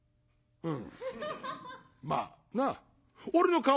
うん。